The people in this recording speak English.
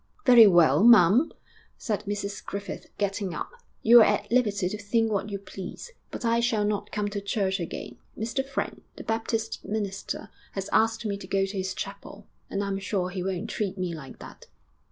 'Very well, ma'am,' said Mrs Griffith, getting up. 'You're at liberty to think what you please, but I shall not come to church again. Mr Friend, the Baptist minister, has asked me to go to his chapel, and I'm sure he won't treat me like that.'